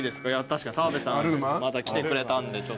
確かに澤部さんまた来てくれたんで。